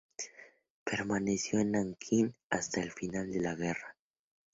Permaneció en Nankín hasta el final de la guerra.